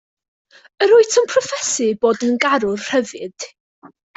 Yr wyt yn proffesu bod yn garwr rhyddid.